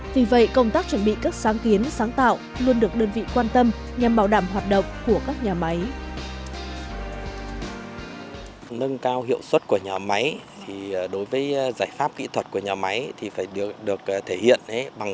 vì vậy công tác chuẩn bị các sáng kiến sáng tạo luôn được đơn vị phát triển